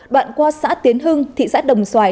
đoạn qua xã tiến hưng thị xã đồng xoài